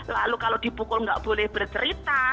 lalu kalau dipukul nggak boleh bercerita